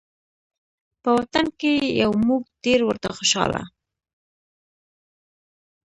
په وطن کې یو موږ ډېر ورته خوشحاله